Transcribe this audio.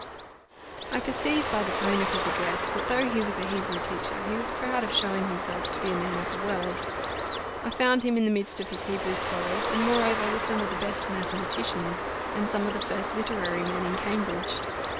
I perceived by the tone of his address, that, though he was a Hebrew teacher, he was proud of showing himself to be a man of the world. I found him in the midst of his Hebrew scholars, and moreover with some of the best mathematicians, and some of the first literary men in Cambridge.